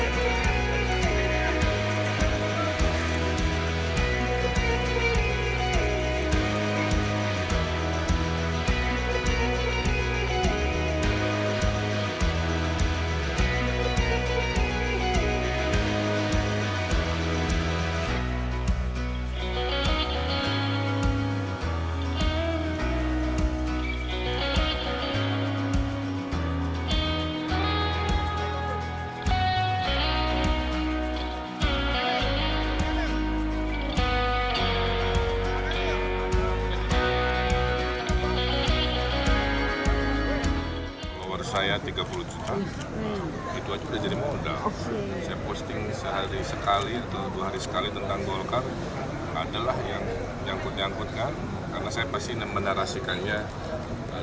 jangan lupa like share dan subscribe channel ini untuk dapat info terbaru